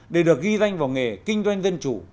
để được ghi danh vào nghề kinh doanh dân chủ